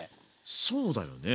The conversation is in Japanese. そうだよね。